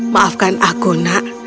maafkan aku nak